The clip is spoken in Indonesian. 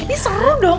ini seru dong